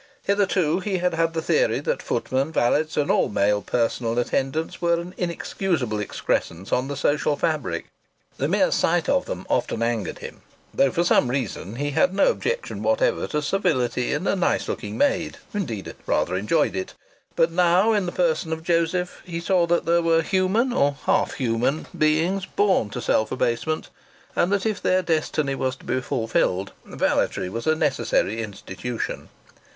Hitherto he had had the theory that footmen, valets and all male personal attendants were an inexcusable excrescence on the social fabric. The mere sight of them often angered him, though for some reason he had no objection whatever to servility in a nice looking maid indeed, rather enjoyed it. But now, in the person of Joseph, he saw that there were human or half human beings born to self abasement, and that, if their destiny was to be fulfilled, valetry was a necessary institution.